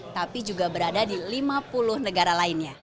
tapi juga berada di lima puluh negara lainnya